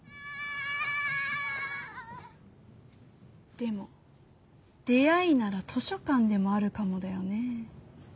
でも出会いなら図書館でもあるかもだよね。